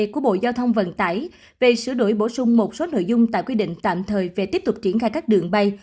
của bộ giao thông vận tải về sửa đổi bổ sung một số nội dung tại quy định tạm thời về tiếp tục triển khai các đường bay